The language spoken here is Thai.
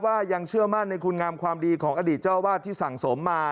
ยังเชื่อมั่นในคุณงามความดีของอดีตเจ้าวาดที่สั่งสมมา